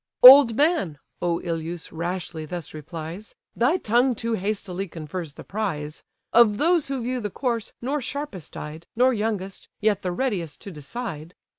"Old man! (Oïleus rashly thus replies) Thy tongue too hastily confers the prize; Of those who view the course, nor sharpest eyed, Nor youngest, yet the readiest to decide.